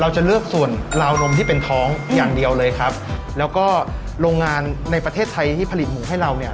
จะเลือกส่วนลาวนมที่เป็นท้องอย่างเดียวเลยครับแล้วก็โรงงานในประเทศไทยที่ผลิตหมูให้เราเนี่ย